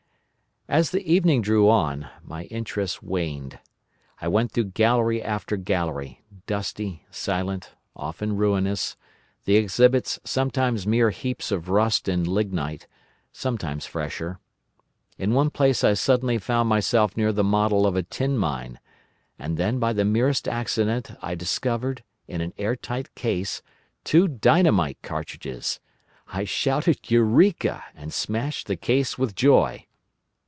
"As the evening drew on, my interest waned. I went through gallery after gallery, dusty, silent, often ruinous, the exhibits sometimes mere heaps of rust and lignite, sometimes fresher. In one place I suddenly found myself near the model of a tin mine, and then by the merest accident I discovered, in an air tight case, two dynamite cartridges! I shouted 'Eureka!' and smashed the case with joy.